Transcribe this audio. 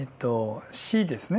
「止」ですね。